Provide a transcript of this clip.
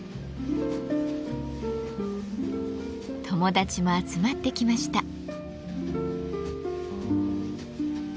友達も集まってきました。